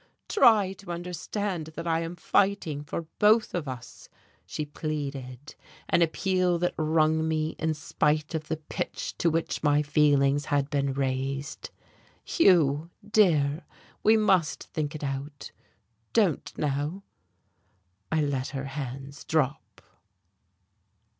"Try to understand that I am fighting for both of us!" she pleaded an appeal that wrung me in spite of the pitch to which my feelings had been raised. "Hugh, dear, we must think it out. Don't now." I let her hands drop....